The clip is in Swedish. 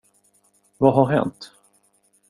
Vad har hänt?